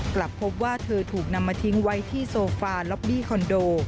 กลับพบว่าเธอถูกนำมาทิ้งไว้ที่โซฟาล็อบบี้คอนโด